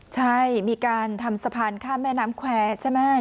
ใช่มีการทำสะพานข้ามแม่น้ำแควร์ใช่ไหม